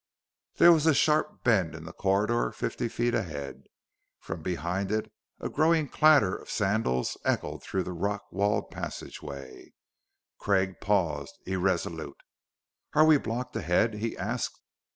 There was a sharp bend in the corridor fifty feet ahead; from behind it a growing clatter of sandals echoed through the rock walled passageway. Craig paused, irresolute. "Are we blocked, ahead?" he asked.